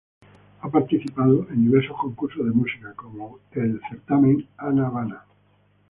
Ha participado en diversos concursos de música como el certamen "Ana Bana".